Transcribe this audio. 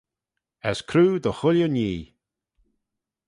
As croo dy chooilley nhee.